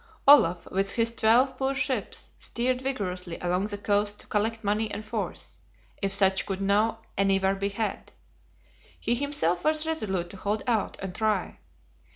Olaf, with his twelve poor ships, steered vigorously along the coast to collect money and force, if such could now anywhere be had. He himself was resolute to hold out, and try.